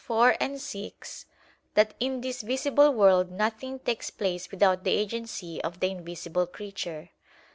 iv, 6), that "in this visible world nothing takes place without the agency of the invisible creature."